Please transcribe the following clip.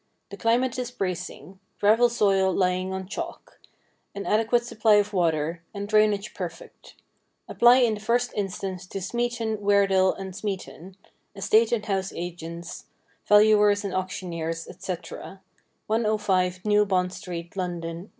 The climate is bracing ; gravel soil lying on chalk, an adequate supply of water, and drainage perfect. Apply in the first instance to Smeaton, Weardale & Smeaton, Estate and House Agents, Valuers and Auctioneers, &c, 105 New Bond Street, London, W.